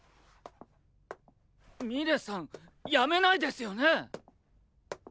ミレさんやめないですよね